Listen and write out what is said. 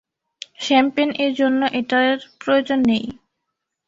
Champagne এর জন্য এটার প্রয়োজন নেই।